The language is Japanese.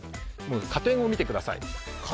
果点を見てください。